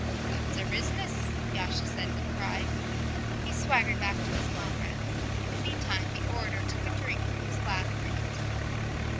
"That's our business," Yasha said with pride. He swaggered back to his comrades. Meantime the orator took a drink from his glass and continued.